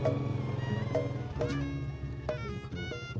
terima kasih pak